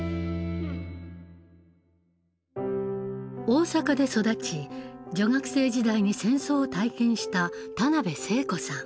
大阪で育ち女学生時代に戦争を体験した田辺聖子さん。